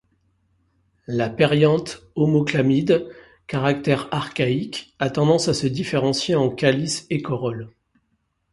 Le périanthe homochlamyde, caractère archaïque, a tendance à se différencier en calice et corolle.